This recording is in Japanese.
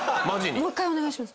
もう１回お願いします。